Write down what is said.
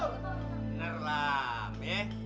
bener lah amin